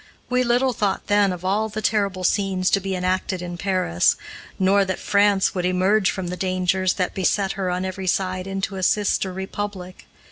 We little thought, then, of all the terrible scenes to be enacted in Paris, nor that France would emerge from the dangers that beset her on every side into a sister republic.